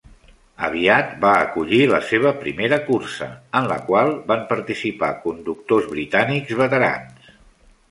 Aviat, va acollir la seva primera cursa, en la qual van participar conductors britànics veterans.